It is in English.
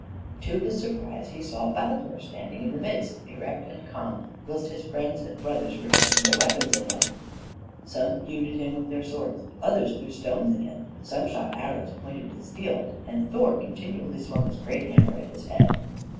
To his surprise he saw Baldur standing in the midst, erect and calm, whilst his friends and brothers were aiming their weapons at him. Some hewed at him with their swords, others threw stones at him some shot arrows pointed with steel, and Thor continually swung his great hammer at his head.